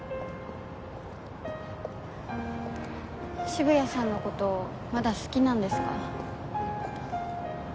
渋谷さんの事まだ好きなんですか？